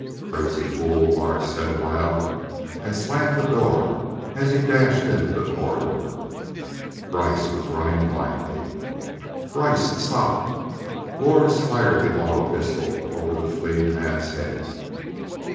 "Crazy fool," Lors said aloud and slammed the door as he dashed into the corridor. Brice was running blindly. "Brice! Stop!" Lors fired the auto pistol over the fleeing man's head.